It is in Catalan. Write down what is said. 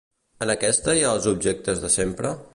En aquesta hi ha els objectes de sempre?